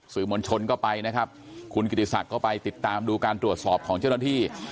มวลชนก็ไปนะครับคุณกิติศักดิ์ก็ไปติดตามดูการตรวจสอบของเจ้าหน้าที่